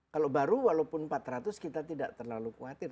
kalau baru walaupun empat ratus kita tidak terlalu khawatir